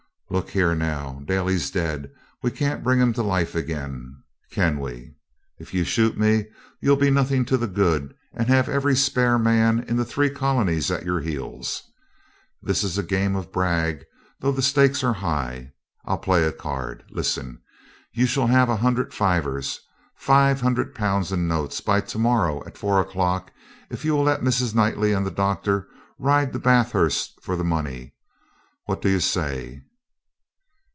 Look here now! Daly's dead. We can't bring him to life again, can we? If you shoot me, you'll be nothing to the good, and have every spare man in the three colonies at your heels. This is a game of brag, though the stakes are high. I'll play a card. Listen. You shall have a hundred fivers 500 Pounds in notes by to morrow at four o'clock, if you'll let Mrs. Knightley and the doctor ride to Bathurst for the money. What do you say?'